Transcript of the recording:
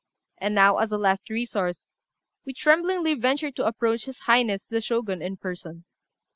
And now, as a last resource, we tremblingly venture to approach his Highness the Shogun in person.